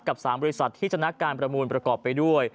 ๓บริษัทที่ชนะการประมูลประกอบไปด้วย